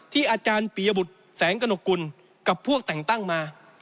อาจารย์ปียบุตรแสงกระหนกกุลกับพวกแต่งตั้งมา